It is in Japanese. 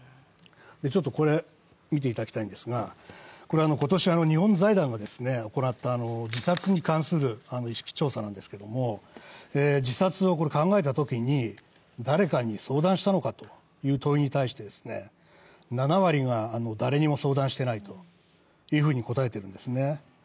これを見ていただきたいんですが、今年、日本財団が行った自殺に関する意識調査なんですけど自殺を考えたときに誰かに相談したのかという問いに対して７割が誰にも相談していないというふうに答えているんですね。